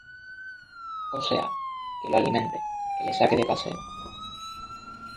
o sea, que lo alimente, que le saque de paseo.